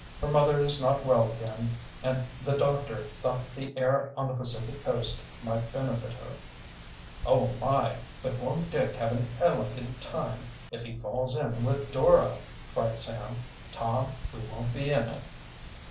Her mother is not well again, and the doctor thought the air on the Pacific coast might benefit her." "Oh, my, but won't Dick have an elegant time, if he falls in with Dora!" cried Sam. "Tom, we won't be in it."